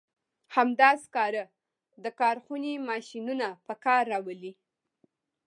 همدا سکاره د کارخونې ماشینونه په کار راولي.